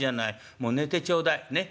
もう寝てちょうだいねっ